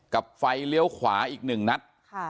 กับไฟเลี้ยวขวาอีก๑นัด